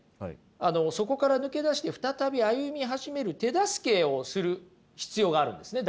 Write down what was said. あのそこから抜け出して再び歩み始める手助けをする必要があるんですね。